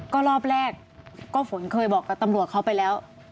ก็รอบแรกก็ฝนเคยบอกกับตำรวจเขาไปแล้ว